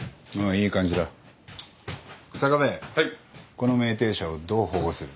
この酩酊者をどう保護する？